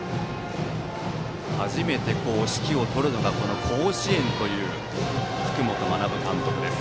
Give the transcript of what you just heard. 初めて指揮を執るのが甲子園という福本学監督です。